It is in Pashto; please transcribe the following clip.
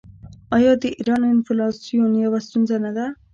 آیا د ایران انفلاسیون یوه ستونزه نه ده؟